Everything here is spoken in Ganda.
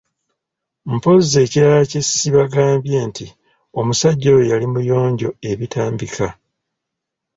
Mpozzi ekirala kye sibagambye nti omusajja oyo yali muyonjo ebitambika.